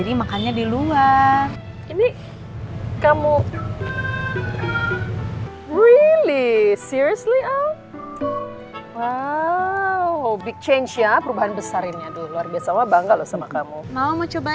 kok aku bilang ke perempuan n candles sekarang alam zamannya